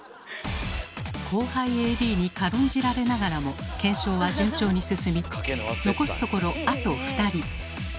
後輩ＡＤに軽んじられながらも検証は順調に進み残すところあと２人。